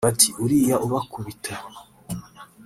Ati “Uriya ubakubita